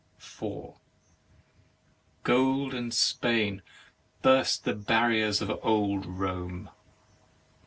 4. Golden Spain, burst the barriers of old Rome